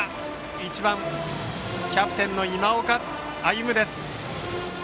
１番キャプテンの今岡歩夢です。